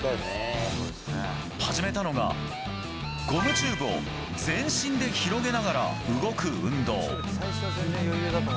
始めたのが、ゴムチューブを全身で広げながら動く運動。